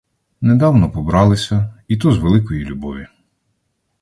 Недавно побралися, і то з великої любові.